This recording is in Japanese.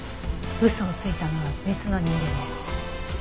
嘘をついたのは別の人間です。